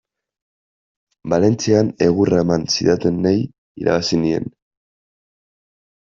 Valentzian egurra eman zidatenei irabazi nien.